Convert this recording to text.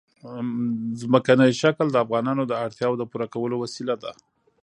ځمکنی شکل د افغانانو د اړتیاوو د پوره کولو وسیله ده.